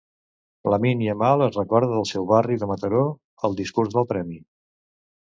Lamine Yamal es recorda del seu barri de Mataró al discurs del premi.